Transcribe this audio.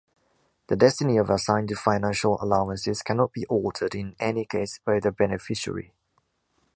The destiny of assigned financial allowances cannot be altered in any case by the beneficiary.